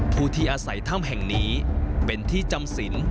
ผู้ที่อาศัยถ้ำแห่งนี้เป็นที่จำสิน